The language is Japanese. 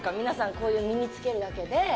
皆さんこういう身に着けるだけで。